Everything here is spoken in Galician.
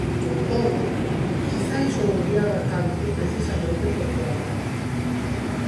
Con todo..., quizais o odiaba tanto precisamente porque o amara.